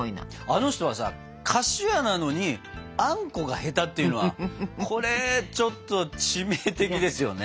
あの人はさ菓子屋なのにあんこが下手っていうのはこれちょっと致命的ですよね。